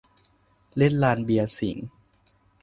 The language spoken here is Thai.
เล่นลานเบียร์สิงห์